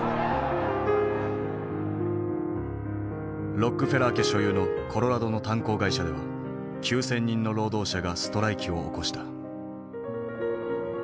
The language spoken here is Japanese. ロックフェラー家所有のコロラドの炭鉱会社では９，０００人の労働者がストライキを起こした。